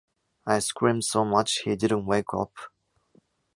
I screamed so much, he didn't wake up.